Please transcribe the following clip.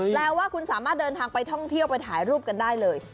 แปลว่าคุณสามารถเดินทางไปท่องเที่ยวไปถ่ายรูปกันได้เลย